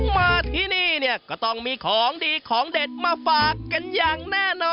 มาที่นี่เนี่ยก็ต้องมีของดีของเด็ดมาฝากกันอย่างแน่นอน